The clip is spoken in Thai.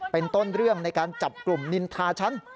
เป็นต้นเรื่องในการจับกลุ่มนินทาชั้น